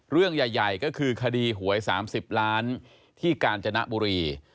เรื่องใหญ่ก็คือคดีหวย๓๐ล้านที่กาญจนบุรี